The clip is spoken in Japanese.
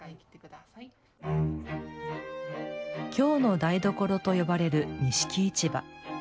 「京の台所」と呼ばれる錦市場。